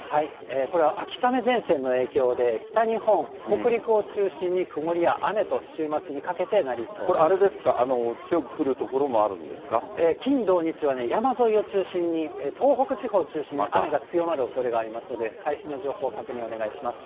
これは秋雨前線の影響で、北日本、北陸を中心に曇りや雨と、これ、あれですか、金、土、日は山沿いを中心に、東北地方を中心に雨が強まるおそれがありますので、最新の情報を、確認お願いします。